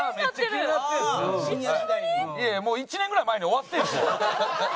いやいやもう１年ぐらい前に終わってるんですよ。